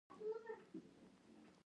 خو دغو پلمو به په يو نيم ځاى کښې کار وکړ.